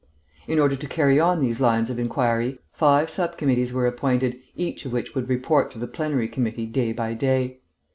"In order to carry on these lines of inquiry, five sub committees were appointed, each of which would report to the plenary committee day by day.